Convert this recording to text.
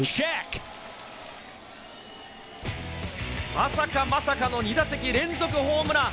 まさかまさかの２打席連続ホームラン！